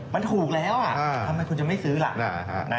มันถูกแล้วทำไมคุณจะไม่ซื้อล่ะ